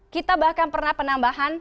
kita bahkan pernah penambahan